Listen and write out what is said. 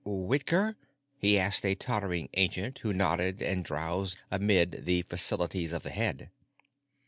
"Whitker?" he asked a tottering ancient who nodded and drowsed amid the facilities of the head.